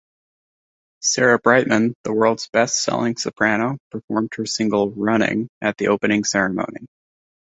Sarah Brightman, the world's best-selling soprano, performed her single "Running" at the opening ceremony.